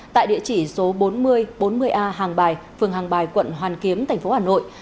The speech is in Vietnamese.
tại địa chỉ số bốn nghìn bốn mươi a hàng bài phường hàng bài quận hoàn kiếm thành phố hà nội